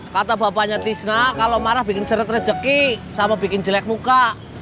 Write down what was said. kata bapaknya trisna kalau marah bikin seret rezeki sama bikin jelek muka